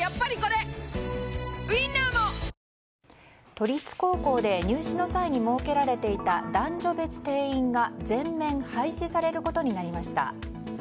都立高校で入試の際に設けられていた男女別定員が全面廃止されることになりました。